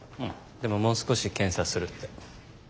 でももう少し検査するって。